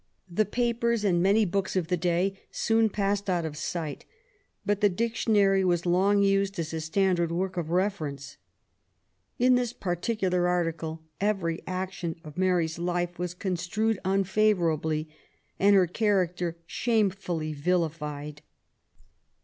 The papers and many books of the day soon passed out of sight, but the Dictionary was long used as a standard work of reference. In this particular article every action of Mary*s life was construed unfavourably, and her cha racter shamefully vilified.